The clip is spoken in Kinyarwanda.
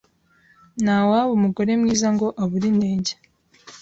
Nta waba umugore mwiza ngo abure inenge